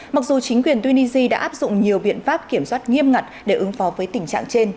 mặc dù chính quyền tunisia đã áp dụng nhiều biện pháp kiểm soát nghiêm ngặt để ứng phó với tình trạng trên